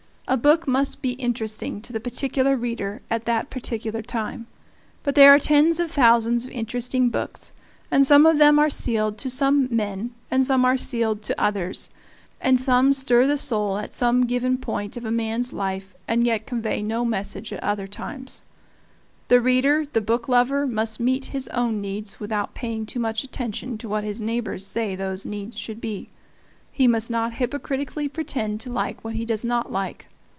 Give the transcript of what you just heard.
A book must be interesting to the particular reader at that particular time. But there are tens of thousands of interesting books, and some of them are sealed to some men and some are sealed to others; and some stir the soul at some given point of a man's life and yet convey no message at other times. The reader, the booklover, must meet his own needs without paying too much attention to what his neighbors say those needs should be. He must not hypocritically pretend to like what he does not like.